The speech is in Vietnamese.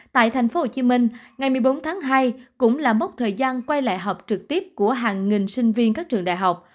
tại tp hcm ngày một mươi bốn tháng hai cũng là mốc thời gian quay lại học trực tiếp của hàng nghìn sinh viên các trường đại học